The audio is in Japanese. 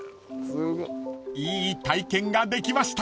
［いい体験ができました］